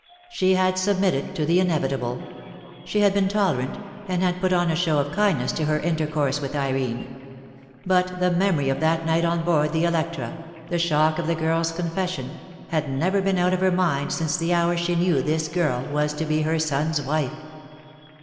She had submitted to the inevitable. She had been tolerant, and had put on a show of kindness in her intercourse with Irene; but the memory of that night on board the Electra, the shock of the girl's confession, had never been out of her mind since the hour she knew this girl was to be her son's wife.